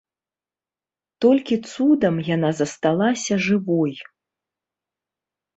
Толькі цудам яна засталася жывой.